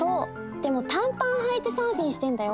でも短パンはいてサーフィンしてんだよ。